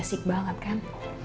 masih basic banget kan